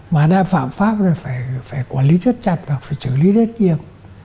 mà phạm pháp thì phải quản lý rất chặt và phải chữa lý rất nhiều